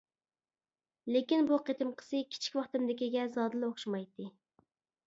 لېكىن بۇ قېتىمقىسى كىچىك ۋاقتىمدىكىگە زادىلا ئوخشىمايتتى.